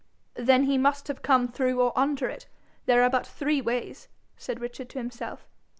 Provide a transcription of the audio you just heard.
'Then he must have come through or under it; there are but three ways,' said Richard to himself.